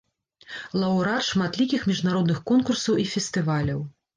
Лаўрэат шматлікіх міжнародных конкурсаў і фестываляў.